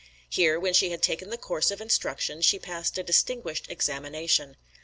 Here, when she had taken the course of instruction, she passed a distinguished examination.